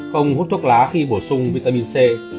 không hút thuốc lá khi bổ sung vitamin c